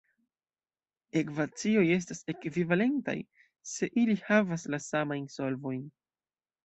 Ekvacioj estas "ekvivalentaj", se ili havas la samajn solvojn.